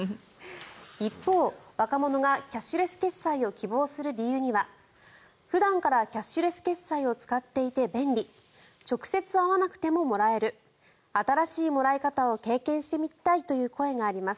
一方、若者がキャッシュレス決済を希望する理由には普段からキャッシュレス決済を使っていて便利直接会わなくてももらえる新しいもらい方を経験してみたいという声があります。